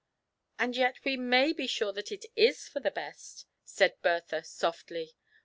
"And yet we may be sure that it is for the best," said Bertha, softly.